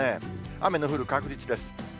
雨の降る確率です。